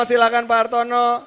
silahkan pak hartono